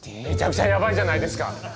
めちゃくちゃやばいじゃないですか！